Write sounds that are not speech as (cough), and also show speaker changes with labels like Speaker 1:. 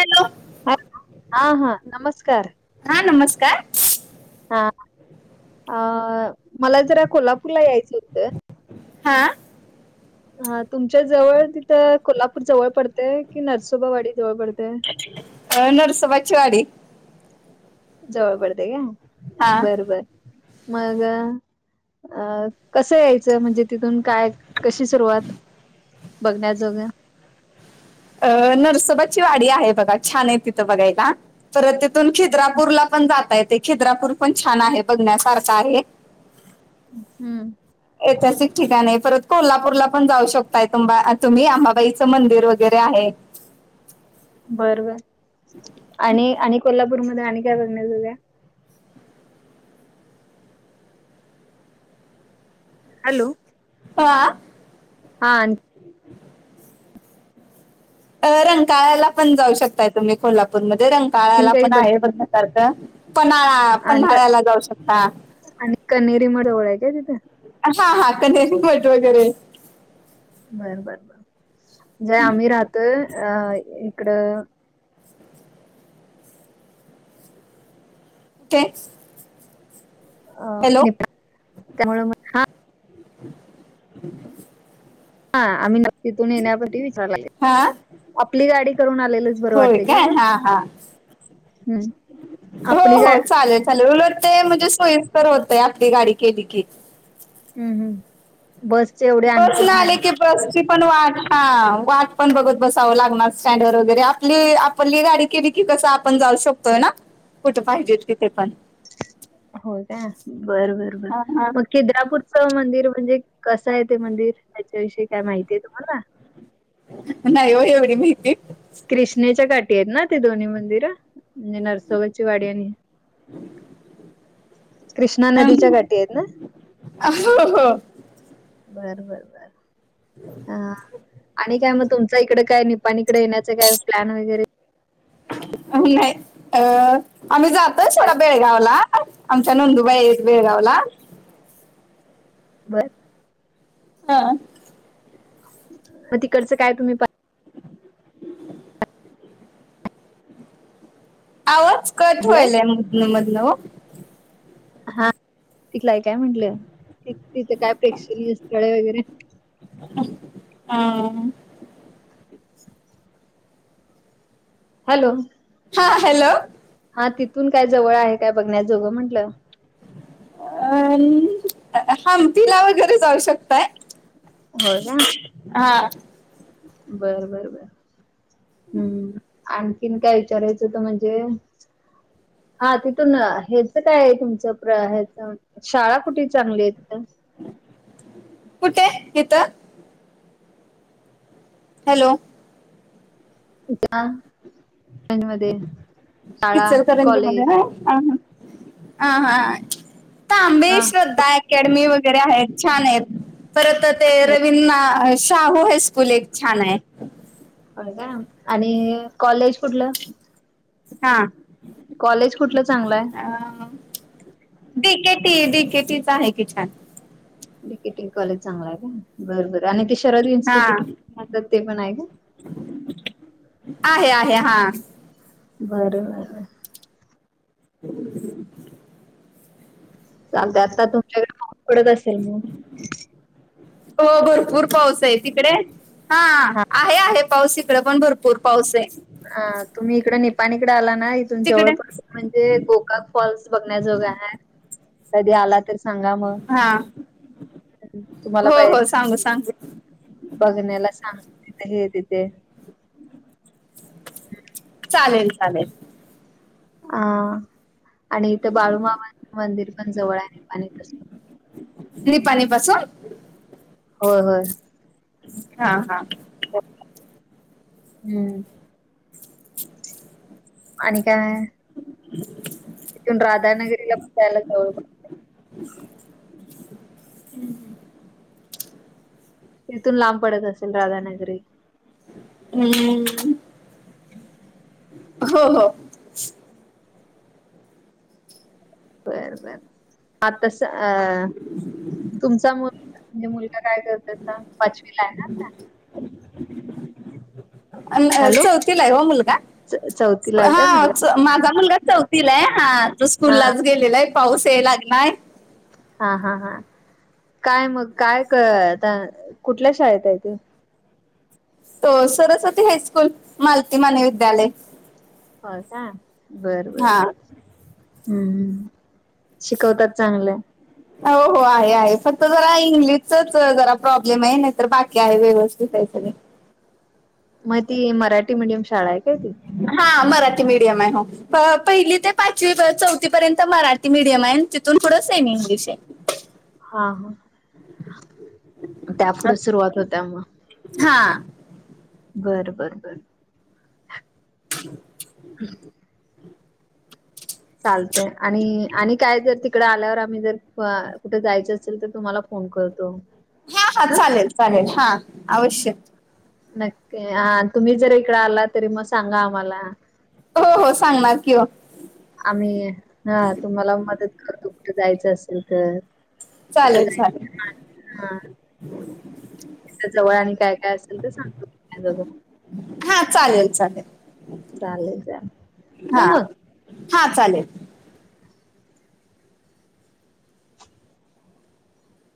Speaker 1: Hello
Speaker 2: हा हा नमस्कार
Speaker 1: ह नमस्कार
Speaker 2: हा अ मला जरा कोल्हापूरला यायचं होतं
Speaker 1: हा
Speaker 2: हा तुमच्या जवळ तिथं कोल्हापूर जवळ पडतेय की नरसोबावाडी जवळ पडतेय
Speaker 1: अ नडस पचवाडी
Speaker 2: जवळ पडते का
Speaker 1: हा
Speaker 2: बर बर मग अ कसं यायचं म्हणजे तिथून काय कशी सुरुवात बघण्याजोघे
Speaker 1: अ नरसबाची वाडी आहे बघा छान आहे तिथं बघायला परत तिथून खिद्रापूरला पण पण जाताय ते खिद्रापूर पण छान आहे बघण्यासारखा आहे
Speaker 2: हम्म
Speaker 1: ऐतहासिक ठिकाणी परत कोल्हापूरला पण जाऊ शकताय तु तुम्ही आंबाईचं मंदर व वगैरे आहेत
Speaker 2: बरबर आणि आणि कोल्हापूर म आण का त हॅलो
Speaker 1: ह
Speaker 2: हा
Speaker 1: ह. रंकाळला पण जाऊ शकताय तुम्ही कोल्हापूरमध्ये.
Speaker 2: आणखीन
Speaker 1: रंकाळ्याला
Speaker 2: काही
Speaker 1: पण
Speaker 2: बघ
Speaker 1: आहे बघण्यासारखं, पन्हाळा
Speaker 2: आणि क
Speaker 1: पन्हाळ्याला जाऊ शकता.
Speaker 2: आणि कन्हेरी मठ जवळ आहे काय तिथं?
Speaker 1: हा हा कनेरी मठ.
Speaker 2: बर बर बर म्हणजे आम्ही राहतोय अ इकडं.
Speaker 1: ते.....
Speaker 2: अ नि त्यामुळे.
Speaker 1: ड
Speaker 2: हा आम्ही नक्की तून येणेण टीव्ही चाल.
Speaker 1: हा
Speaker 2: आपली गाडी करून आलेलंच बरं
Speaker 1: होय
Speaker 2: वाटते का
Speaker 1: काय
Speaker 2: ब.
Speaker 1: हा हा हो हो चालेल चालेल उलटते म्हणजे सोयीस्कर होत. आपली गाडी केली की.
Speaker 2: हम्म, हम्म... बसचे एवढे आणखून
Speaker 1: बसन आले
Speaker 2: मिळणार
Speaker 1: की बसची, पण वाट हा वाट पण बघत बसाव लागणार स्टँड वर वगैरे आपली आपली गाडी केली की, कस आपण जाऊ शकतोय ना कुठे पाहिजे तिथे पण.
Speaker 2: हो का बर बर बर
Speaker 1: हा हा
Speaker 2: मग खिद्रापूर च मंदिर. म्हणजे कस आहे ते मंदिर त्याच्याविषयी काय माहितीय तुम्हाला?
Speaker 1: नाही एवढ माहिती.
Speaker 2: कृष्णेच्या काठीी आहेत ना ते दोन्ही मंदिरं म्हणजे नरसोबाची वाडी,
Speaker 1: हम...
Speaker 2: कृष्णा नदीच्या गठी आहेत ना..
Speaker 1: हो
Speaker 2: बर, बर, बर..
Speaker 1: भ
Speaker 2: तुमच्या इकडं काय निपाणी इकडे येण्याचं काय प्लॅन वगैरे,,
Speaker 1: आ, अ... आम्ही जातोय
Speaker 2: काय
Speaker 1: थोडा बेळगाव ला आमच्या नोंदूबाई आहेत बेळगावला.
Speaker 2: बर.
Speaker 1: हा,
Speaker 2: मग तिकडचं काय तुम्ही?
Speaker 1: आवाज कट
Speaker 2: पाहिलंय
Speaker 1: होईलय मधून मधून,
Speaker 2: हा तिकलाय काय म्हंटलं तिथं काय प्रेक्षणीय स्थळे वगैरे?
Speaker 1: हा....
Speaker 2: हॅलो,
Speaker 1: हा हॅलो..
Speaker 2: हा तिथून काय जवळ आहे काय बघण्याजोगं म्हंटलं..
Speaker 1: अं हमपिला वगैरे जाऊ शकताय.
Speaker 2: हो का...
Speaker 1: हा
Speaker 2: बर, बर, बर हम्म... आणखीन काय विचारायचंत म्हणजे? हा तिथून ह्याच काय आहे तुमचं प्र ह्याच शाळा कुठे चांगली आहे तिथं?
Speaker 1: कुठे येतं? हॅलो.
Speaker 2: इ का..
Speaker 1: इचलकरंजी मध्ये
Speaker 2: कॉलेज
Speaker 1: हा हा त अां्बे
Speaker 2: हा
Speaker 1: श्रद्धा अकॅडमी वगैर.. व आहेत छान आहेत परत ते रवी.. शाहू हायस्कूल एक छान आहे..
Speaker 2: हो का आणि कॉलेज कुठलं?
Speaker 1: हा
Speaker 2: कॉलेज कुठलं चांगलं आहे
Speaker 1: केटी डीकेटीच आहे की छान
Speaker 2: डीकेटींग कॉलेज चांगला आहे का बरबर आणि ते शरद
Speaker 1: हा
Speaker 2: इन्स्टिट्यूटतात ते पण आहे का
Speaker 1: आहे आहे हा
Speaker 2: बरं बर
Speaker 1: (inaudible)
Speaker 2: सग आता तुमच्याकडे पडत असेल मग
Speaker 1: हो भरपूर पाऊस आहे तिकडे हा आहे आहे पाऊस इकडे पण भरपूर पाऊस आहे
Speaker 2: ह तुम्ही इकडे निपाणी इकडे आला इथून
Speaker 1: तिकडे
Speaker 2: जवळपास म्हणजे गोका फॉल्स बघण्याजोा आहेत कधी आला तर सांगा मग
Speaker 1: हा
Speaker 2: तुम्हाला
Speaker 1: हो
Speaker 2: पा
Speaker 1: हो सांगू सांगू
Speaker 2: बघण्याला सांग तिथं हे तिथे
Speaker 1: चालेल चालेल
Speaker 2: आ आणि इथं बाळूमामा मंदिर पण जवळ आहे आणि तस
Speaker 1: निपा निपाच
Speaker 2: होय होय
Speaker 1: हा हा
Speaker 2: हम्म आणि काय
Speaker 1: (inaudible)
Speaker 2: इथून राधानगरीला पण जायला जवळ प
Speaker 1: हम् ह
Speaker 2: तिथून लांब पडत असेल राधानगरी
Speaker 1: हम्म, हो हो
Speaker 2: बर बर आ तस अ तुमचा मु म्हणजे मुलगा काय करत पाचवी ला आहेणार ना हॅलो
Speaker 1: चौथीला आहे हो मुलगा
Speaker 2: च- चौथीला आहे काय
Speaker 1: हा
Speaker 2: मुलगा?
Speaker 1: माझा मुलगा चौथ हा तू स्कूल
Speaker 2: हा
Speaker 1: लाच गेलेला आहे पाऊस या लागलाय
Speaker 2: हा हा हा काय मग काय क आता कुठल्या शाळेत आहे ते
Speaker 1: हो सरस्वती हायस्कूल मालती मानविद्यालय
Speaker 2: हो का बर बर हम्म शिकवतात चांगलं
Speaker 1: हो हो आहे आहे फक्त जरा इंग्लिशचच जरा प्रॉब्लेम आहे नाही तर बाकी आहे वेवस्थित
Speaker 2: ह मग ती मराठी मीडियम शाळा आहे काय ती
Speaker 1: राठी मीडियम आहे हो पहिली ते पाचवी चौथी पर्यंत मराठी मीडियम आहे तिथून थोडं सेम इंग्लिश आहे
Speaker 2: हा हा त्यापुढं
Speaker 1: असं.
Speaker 2: सुरुवात होत्या मग
Speaker 1: हा
Speaker 2: बर बर बर चालते आणि आणि काय जर त इकडे आल्यावर आम्ही जर कुठे जायच असेल तर तुम्हाला फोन करतो
Speaker 1: हा हा चालेल चालेल हा अवश्य
Speaker 2: नक्की हा तुम्ही जरी इकड आला तरी मग सांगा आम्हाला
Speaker 1: हो हो सांगणार की हो
Speaker 2: आम्ही हा तुम्हाला मदत तू कुठे जायचं असेल तर कुठे
Speaker 1: चालेल चालेल
Speaker 2: जायचं त्या जवळ आणि काय काय असेल तर सांगतो
Speaker 1: हा चालेल चालेल
Speaker 2: चालेल चालेल ठेव
Speaker 1: हा
Speaker 2: मग
Speaker 1: हा चालेल